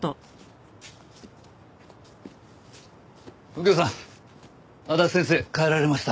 右京さん足立先生帰られました。